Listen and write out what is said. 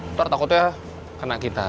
nanti takutnya kena kita